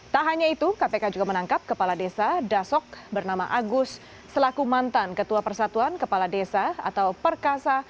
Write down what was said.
tak hanya itu kpk juga menangkap kepala desa dasok bernama agus selaku mantan ketua persatuan kepala desa atau perkasa